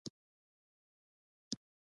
مجاهد د نورو له ظلم نه ځان ساتي.